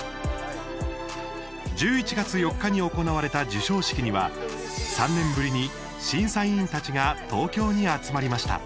１１月４日に行われた授賞式には３年ぶりに審査委員たちが東京に集まりました。